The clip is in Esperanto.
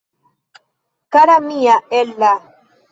Kara mia Ella!